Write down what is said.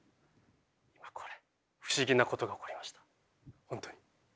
今これ不思議なことが起こりました本当に。